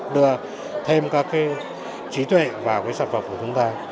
đưa thêm các cái trí tuệ vào sản phẩm của chúng ta